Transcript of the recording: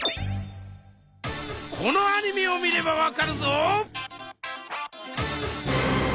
このアニメを見ればわかるぞ！